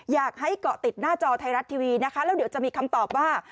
อยากให้เกาะติดหน้าจอไทยรัฐทีวีนะคะแล้วเดี๋ยวจะมีคำตอบว่า